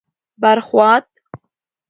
بر خوات: